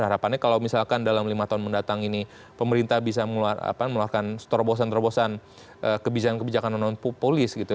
harapannya kalau misalkan dalam lima tahun mendatang ini pemerintah bisa mengeluarkan terobosan terobosan kebijakan kebijakan non polis gitu